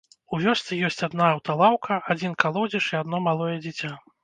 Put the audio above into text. У вёсцы ёсць адна аўталаўка, адзін калодзеж і адно малое дзіця.